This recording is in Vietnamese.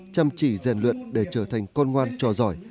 chăm chỉ rèn luyện để trở thành con ngoan trò giỏi